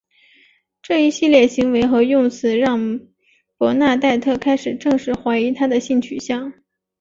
这一系列行为和用词让伯纳黛特开始正式怀疑他的性取向。